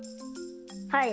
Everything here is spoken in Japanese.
はい。